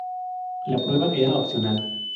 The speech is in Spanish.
La prueba era opcional.